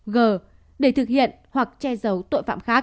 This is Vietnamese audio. g để thực hiện hoặc che giấu tội phạm khác